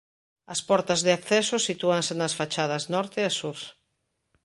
As portas de acceso sitúanse nas fachadas norte e sur.